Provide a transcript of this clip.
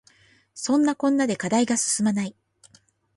そんなこんなで課題が進まない